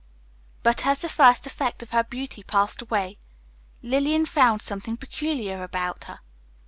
But as the first effect of her beauty passed away, Lillian found something peculiar about her.